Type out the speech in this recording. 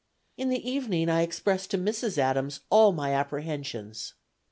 In the evening, I expressed to Mrs. Adams all my apprehensions.